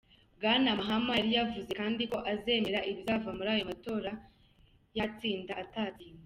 Bwana Mahama yari yavuze kandi ko azemera ibizava muri ayo matora yatsinda, atatsinda.